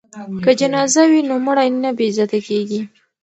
که جنازه وي نو مړی نه بې عزته کیږي.